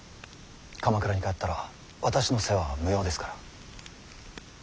鎌倉に帰ったら私の世話は無用ですから。